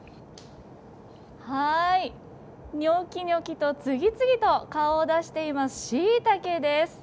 にょきにょきと次々と顔を出しています、しいたけです。